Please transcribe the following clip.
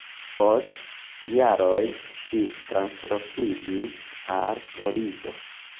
Post jaroj ŝi translokiĝis al Florido.